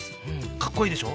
かっこいいでしょ？